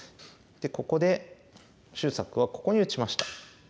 ここで秀策はここに打ちました。